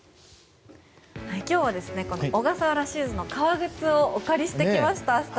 今日は小笠原シューズの革靴をお借りしてきました。